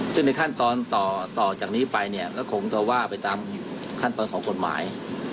ซึ่งในขั้นตอนต่อจากนี้ไปเนี่ยก็คงจะว่าไปตามขั้นตอนของกฎหมาย